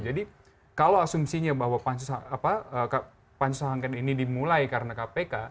jadi kalau asumsinya bahwa pansus hanggan ini dimulai karena kpk